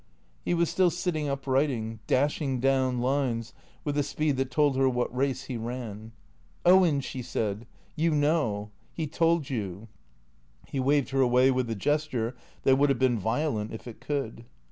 He was still sitting up writing, dashing down lines with a speed that told her what race he ran. " Owen," she said, " you know. He told you " He waved her away with a gesture that would have been vio lent if it could.